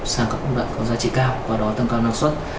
sang các công đoạn có giá trị cao qua đó tăng cao năng suất